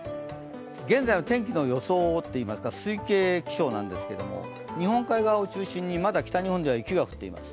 現在の天気の予想、推計気象なんですが、日本海側を中心にまだ北日本では雪が降っています。